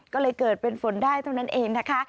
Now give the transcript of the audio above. ก็เลยเกิดเป็นฝนได้เท่านั้นเองนะคะ